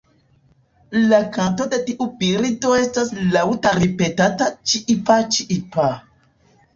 La kanto de tiu birdo estas laŭta ripetata "ĉiipa-ĉiipa".